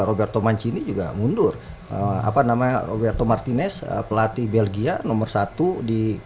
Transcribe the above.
roberto mancini juga mundur apa nama roberto martinez pelatih belgia nomor satu di